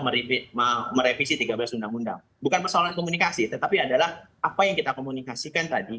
merevit merevisi tiga belas undang undang bukan persoalan komunikasi tetapi adalah apa yang kita komunikasikan tadi